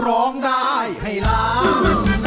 ร้องได้ให้ล้าน